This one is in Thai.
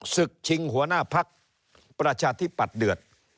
ศึกชิงหัวหน้าพักประชาธิปัตย์เดือด